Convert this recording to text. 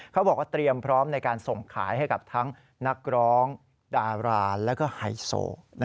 เขาบอกว่าเตรียมพร้อมในการส่งขายให้กับทั้งนักร้องดาราแล้วก็ไฮโซ